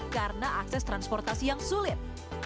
karena akses transportasi yang sulit